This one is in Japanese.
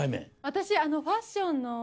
私ファッションの現場で。